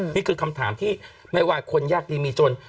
นี่คือคำถามที่ไม่ว่าคนยากดีมีจน